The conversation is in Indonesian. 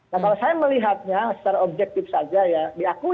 nah kalau saya melihatnya secara objektif saja ya diakui